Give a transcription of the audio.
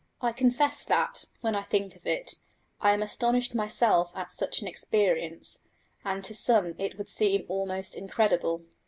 I confess that, when I think of it, I am astonished myself at such an experience, and to some it must seem almost incredible.